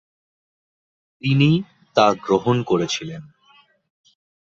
তিনি তা গ্রহণ করেছিলেন।